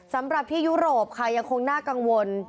สำหรับที่ยุโรปค่ะยังคงน่ากังวล